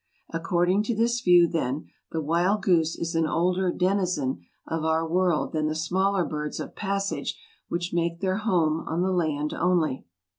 According to this view, then, the wild goose is an older denizen of our world than the smaller birds of passage which make their home on the land only.